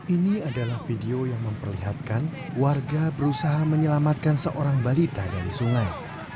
ini adalah video yang memperlihatkan warga berusaha menyelamatkan seorang balita dari sungai